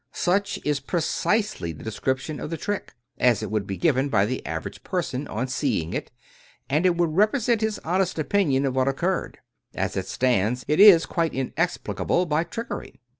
Such is precisely the description of the trick, as it would be given by the average person, on seeing it, and it would represent his honest opinion of what occurred ; as it stands, it is quite inexplicable by trickery.